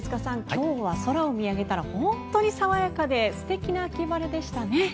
今日は空を見上げたら本当に爽やかで素敵な秋晴れでしたね。